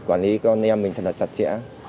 quản lý con em mình thật là chặt chẽ